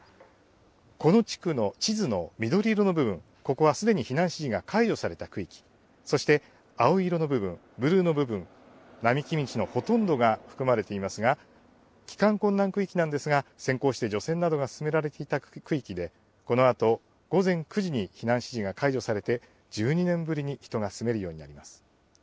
この地区の地図の緑色の部分、ここは、すでに避難指示が解除された区域、そして、青色の部分、ブルーの部分、並木道のほとんどが含まれていますが、帰還困難区域なんですが、先行して除染などが進められていた区域で、このあと午前９時に避難指示が解除されて、１２年ぶりに人が住めるようになります。